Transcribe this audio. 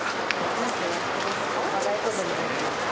何かやってますか？